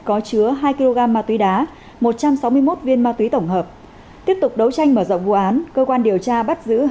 có chứa hai kg ma túy đá một trăm sáu mươi một viên ma túy tổng hợp tiếp tục đấu tranh mở rộng vụ án cơ quan điều tra bắt giữ